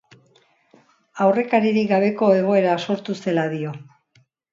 Aurrekaririk gabeko egoera sortu zela dio.